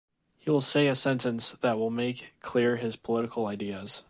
He will say a sentence that will make clear his political ideas.